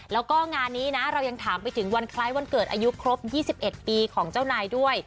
แล้วก็งานนี้นะเรายังถามไปถึงวันคล้ายวันเกิดอายุครบ๒๑ปีของเจ้านายด้วย